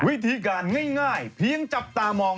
วิธีการง่ายเพียงจับตามอง